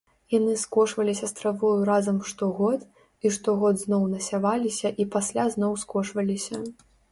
Яны скошваліся з травою разам штогод і штогод зноў насяваліся і пасля зноў скошваліся.